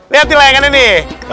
lihat di layangannya nih